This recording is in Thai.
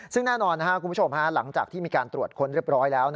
ซึ่งแน่นอนคุณผู้ชมหลังจากที่มีการตรวจค้นเรียบร้อยแล้ว